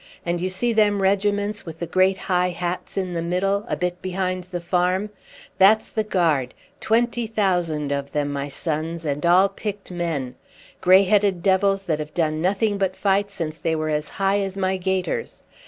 And you see them regiments with the great high hats in the middle, a bit behind the farm? That's the Guard, twenty thousand of them, my sons, and all picked men grey headed devils that have done nothing but fight since they were as high as my gaiters.